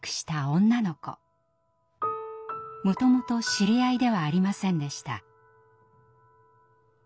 もともと知り合いではありませんでした。